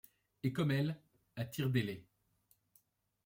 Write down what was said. Et comme elle, à tire d'ailé